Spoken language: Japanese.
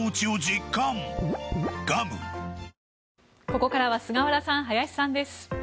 ここからは菅原さん、林さんです。